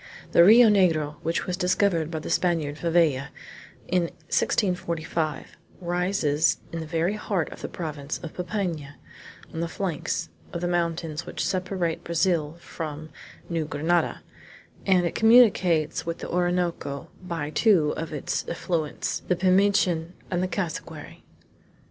The Rio Negro, which was discovered by the Spaniard Favella in 1645, rises in the very heart of the province of Popayan, on the flanks of the mountains which separate Brazil from New Grenada, and it communicates with the Orinoco by two of its affluents, the Pimichin and the Cassiquary.